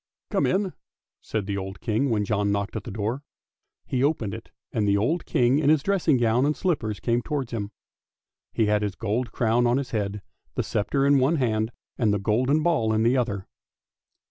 " Come in," said the old King when John knocked at the door. He opened it, and the old King in his dressing gown and slippers came towards him. He had his gold crown on his head, the sceptre in one hand, and the golden ball in the other.